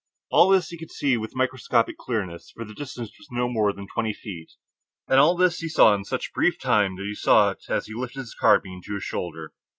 All this he could see with microscopic clearness, for the distance was no more than twenty feet. And all this he saw in such brief time, that he saw it as he lifted his carbine to his shoulder.